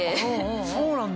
そうなんだ。